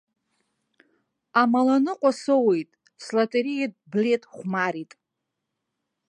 Амаланыҟәа соуит, слотереиатә блеҭ хәмарит.